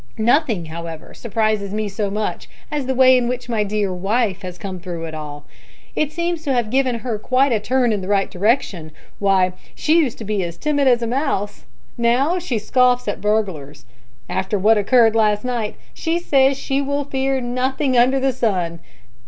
Nothing, however, surprises me so much as the way in which my dear wife has come through it all. It seems to have given her quite a turn in the right direction. Why, she used to be as timid as a mouse! Now she scoffs at burglars. After what occurred last night she says she will fear nothing under the sun.